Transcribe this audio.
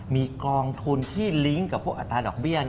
มีกองทุนที่ลิงก์กับพวกอัตราดอกเบี้ย